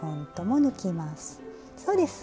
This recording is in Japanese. そうです！